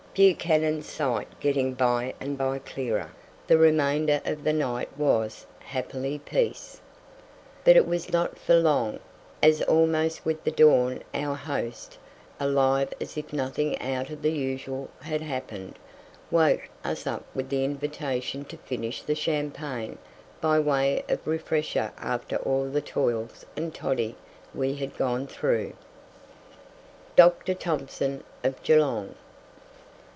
Buchanan's sight getting by and by clearer, the remainder of the night was, happily, peace. But it was not for long, as almost with the dawn our host, alive as if nothing out of the usual had happened, woke us up with the invitation to finish the champagne by way of refresher after all the toils and toddy we had gone through. DR. THOMSON, OF GEELONG.